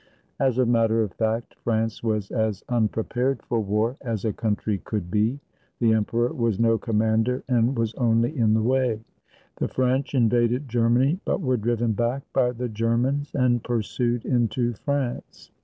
As a matter of fact, France was as unprepared for war as a country could be. The emperor was no commander, and was only in the way. The French invaded Germany, but were driven back by the Germans and pursued into France.